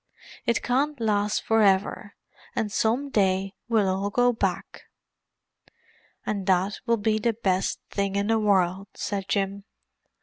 It can't last for ever; and some day we'll all go back." "And that will be the best thing in the world," said Jim.